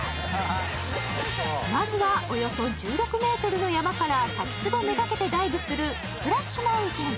まずはおよそ１６ｍの山から滝つぼ目がけてダイブするスプラッシュ・マウンテン。